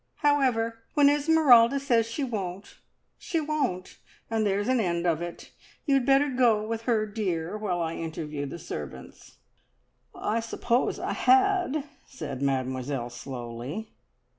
However, when Esmeralda says she won't, she won't, and there's an end of it. You had better go with her, dear, while I interview the servants." "I suppose I had," said Mademoiselle slowly.